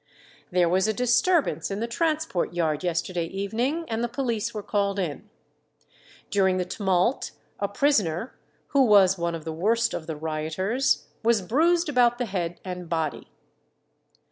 "There was a disturbance in the transport yard yesterday evening, and the police were called in. During the tumult a prisoner, ... who was one of the worst of the rioters, was bruised about the head and body."